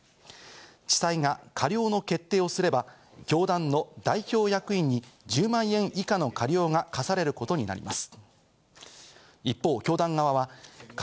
地裁が過料の決定をすれば、教団の代表役員に１０万円以下の過料が科されることになります。